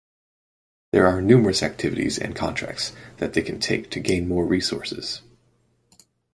There are numerous activities and contracts that they can take to gain more resources.